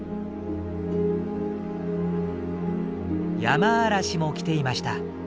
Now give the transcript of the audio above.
ヤマアラシも来ていました。